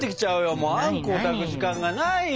もうあんこを炊く時間がないよ。